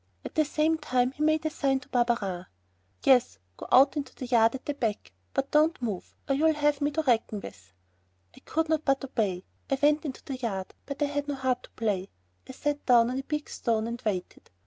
At the same time he made a sign to Barberin. "Yes, go out into the yard at the back, but don't move or you'll have me to reckon with." I could not but obey. I went into the yard, but I had no heart to play. I sat down on a big stone and waited.